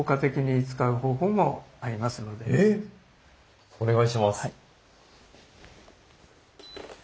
えっお願いします。